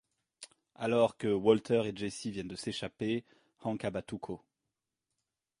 Alors que Walter et Jesse viennent de s’échapper, Hank abat Tuco.